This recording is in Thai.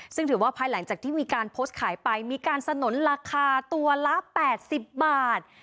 ซึ่งถือว่าภายหลังจากที่มีการโพสต์ขายไปมีการสนุนราคาตัวละ๘๐บาท